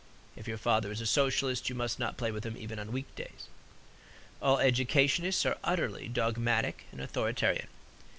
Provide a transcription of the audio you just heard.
If your father is a Socialist you must not play with them even on week days." All educationists are utterly dogmatic and authoritarian.